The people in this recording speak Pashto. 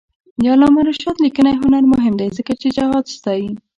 د علامه رشاد لیکنی هنر مهم دی ځکه چې جهاد ستايي.